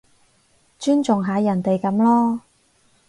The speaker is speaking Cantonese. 尊重下人哋噉囉